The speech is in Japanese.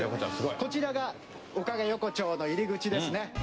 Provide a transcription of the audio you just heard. こちらがおかげ横丁の入り口ですね。